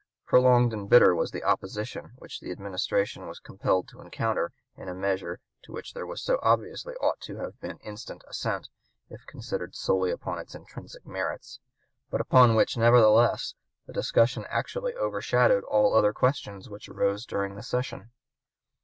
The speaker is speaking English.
Prolonged and bitter was the opposition which the Administration was compelled to encounter in a measure to which there so obviously ought to have been instant assent if considered solely upon its intrinsic merits, but upon which nevertheless the discussion actually overshadowed all other questions which arose during the session.